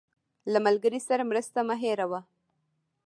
له ملګري سره مرسته مه هېروه.